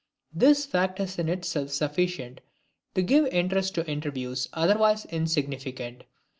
This fact is in itself sufficient to give interest to interviews otherwise insignificant.